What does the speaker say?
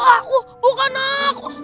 aku bukan aku